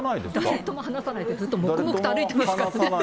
誰とも話さないでずっと黙々と歩いてますからね。